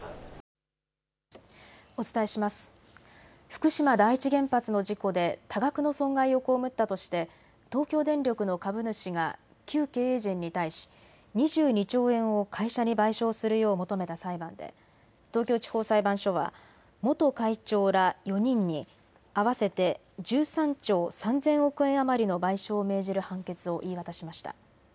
福島第一原発の事故で多額の損害を被ったとして東京電力の株主が旧経営陣に対し２２兆円を会社に賠償するよう求めた裁判で東京地方裁判所は元会長ら４人に合わせて１３兆３０００億円余りの賠償を命じる判決を言い渡しました。